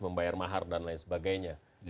membayar mahar dan lain sebagainya